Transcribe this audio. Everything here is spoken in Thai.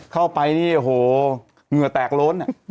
เข้าไปนี่โอ้โหเหงื่อแตกโล้น